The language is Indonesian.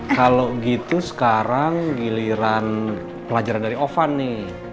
kalau gitu sekarang giliran pelajaran dari ovan nih